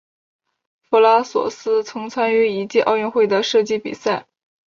弗拉索夫曾参与一届奥运会的射击比赛。